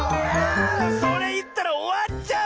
あそれいったらおわっちゃう！